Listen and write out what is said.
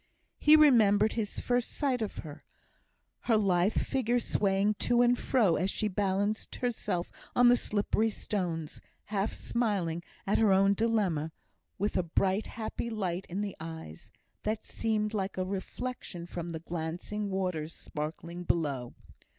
He remembered his first sight of her; her little figure swaying to and fro as she balanced herself on the slippery stones, half smiling at her own dilemma, with a bright, happy light in the eyes that seemed like a reflection from the glancing waters sparkling below.